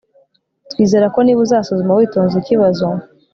Twizera ko niba uzasuzuma witonze ikibazo